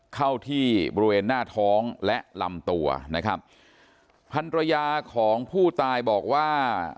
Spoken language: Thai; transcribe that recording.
เข้าที่บริเวณหน้าท้องและลำตัวนะครับพันรยาของผู้ตายบอกว่า